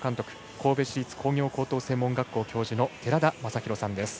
神戸市立工業高等専門学校の教授寺田雅裕さんです。